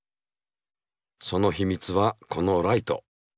その秘密はこのライト。